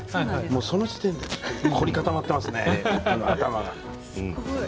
その時点で凝り固まってますね頭が。